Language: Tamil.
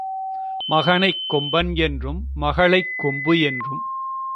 மகனைக் கொம்பன் என்றும், மகளைக் கொம்பு என்றும்